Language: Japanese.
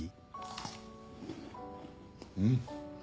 うん。